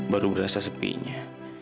baru berasa sepinya